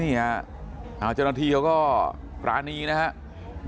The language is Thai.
นี่ฮะเจ้าหน้าที่เขาก็ร้านนี้นะฮะ